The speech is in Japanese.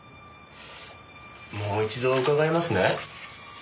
もう一度伺いますね。